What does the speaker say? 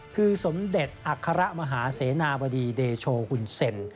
คือสมเด็จอัครมหาเสนาบดีเดโชหุ่นเซ็ม